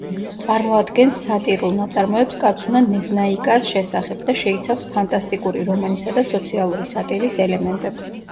წარმოადგენს სატირულ ნაწარმოებს კაცუნა ნეზნაიკას შესახებ და შეიცავს ფანტასტიკური რომანისა და სოციალური სატირის ელემენტებს.